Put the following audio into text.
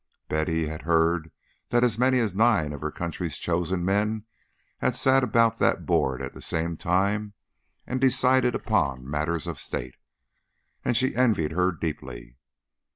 Betty had heard that as many as nine of her country's chosen men had sat about that board at the same time and decided upon matters of state; and she envied her deeply.